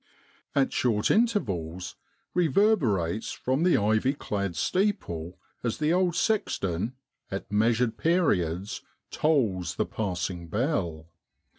at short intervals reverberates from the ivy clad steeple as the old sexton, at measured periods, tolls the passing bell.